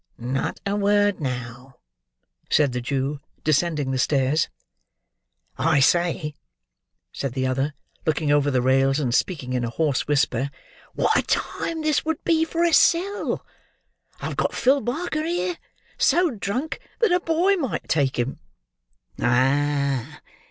"Not a word now," said the Jew, descending the stairs. "I say," said the other, looking over the rails, and speaking in a hoarse whisper; "what a time this would be for a sell! I've got Phil Barker here: so drunk, that a boy might take him!" "Ah!